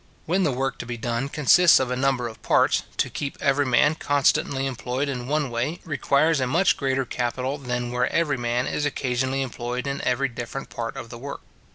When the work to be done consists of a number of parts, to keep every man constantly employed in one way, requires a much greater capital than where every man is occasionally employed in every different part of the work.